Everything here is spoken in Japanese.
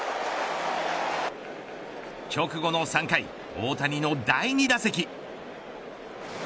直後の３回大谷の第２打席。